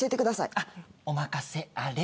あっお任せあれ。